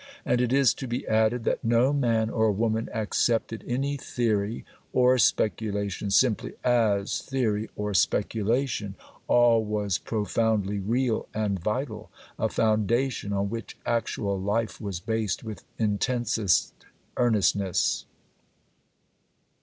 And it is to be added that no man or woman accepted any theory or speculation simply as theory or speculation; all was profoundly real and vital—a foundation on which actual life was based with intensest earnestness.